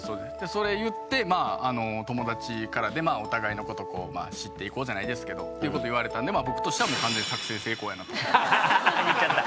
それ言ってまあ友達からでお互いのことを知っていこうじゃないですけどっていうことを言われたんで僕としては完全作戦成功やなと。言っちゃった。